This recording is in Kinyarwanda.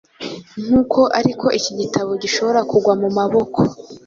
Nkuko ariko iki gitabo gishobora kugwa mumaboko